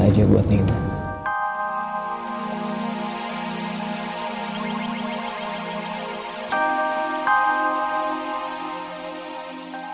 aku gak mungkin marah lah